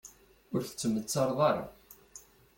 Ur tettmettareḍ ara.